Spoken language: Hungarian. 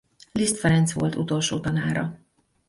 Liszt Ferenc volt utolsó tanára.